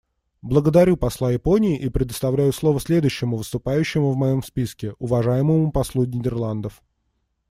Благодарю посла Японии и предоставляю слово следующему выступающему в моем списке — уважаемому послу Нидерландов.